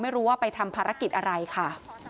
ไม่รู้ว่าไปทำภารกิจอะไรค่ะ